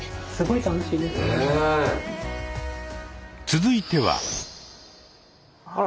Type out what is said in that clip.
続いては。